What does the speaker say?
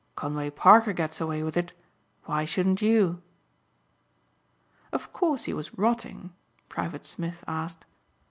Conway Parker gets away with it, why shouldn't you?'" "Of course he was rotting?" Private Smith asked.